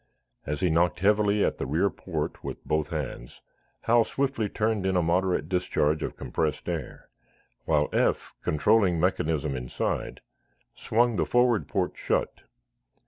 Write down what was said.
As he knocked heavily at the rear port with both hands, Hal swiftly turned in a moderate discharge of compressed air, while Eph, controlling mechanism inside, swung the forward port shut.